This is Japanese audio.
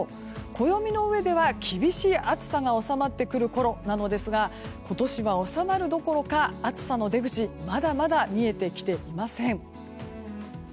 暦の上では厳しい暑さが収まってくるころなのですが今年は収まるどころか暑さの出口はまだまだ見えてきていません。